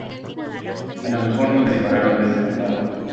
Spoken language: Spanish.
a lo mejor no les dispararon desde un barco.